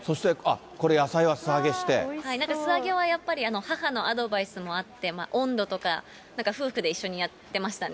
そして、なんか素揚げはやっぱり母のアドバイスもあって、温度とか、なんか夫婦で一緒にやってましたね。